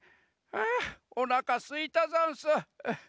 あおなかすいたざんす。